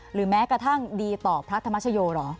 หรือแม้กระทั่งดีต่อพระธรรมชโยเหรอ